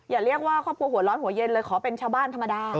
อย่าเรียกว่าครอบครัวหัวร้อนหัวเย็นเลยขอเป็นชาวบ้านธรรมดา